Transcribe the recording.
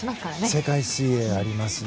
世界水泳、あります。